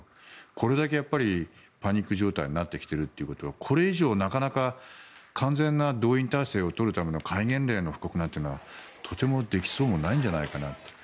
これだけパニック状態になってきているということはこれ以上、なかなか完全な動員体制をとるための戒厳令の布告なんてのはとてもできそうもないんじゃないかなと。